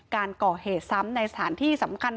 การก่อเหตุซ้ำในสถานที่สำคัญ